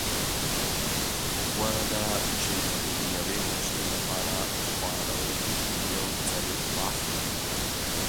غوره ده چې د یوې میاشتې لپاره خواړه په یو ځل واخلو.